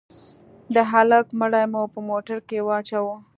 د هلك مړى مو په موټر کښې واچاوه.